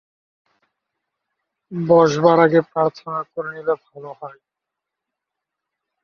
বসবার আগে প্রার্থনা করে নিলে ভাল হয়।